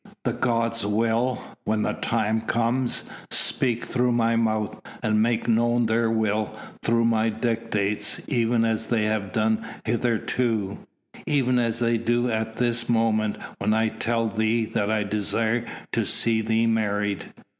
"The gods will, when the time comes, speak through my mouth and make known their will through my dictates even as they have done hitherto even as they do at this moment when I tell thee that I desire to see thee married."